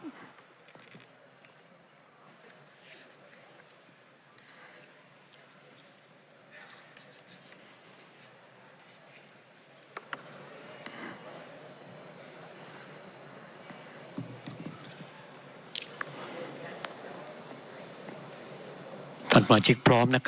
สมาชิกท่านใดเห็นควรไว้วางใจคือเห็นด้วยกับยศติ